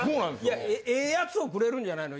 いやええやつをくれるんじゃないの？